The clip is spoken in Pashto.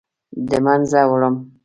د مینځه وړم